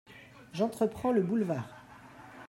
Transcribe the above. J’entreprends le boulevard…